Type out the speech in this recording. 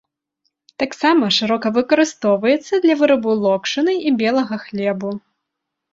Таксама шырока выкарыстоўваецца для вырабу локшыны і белага хлебу.